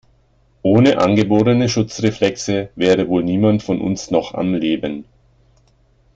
Ohne angeborene Schutzreflexe wäre wohl niemand von uns noch am Leben.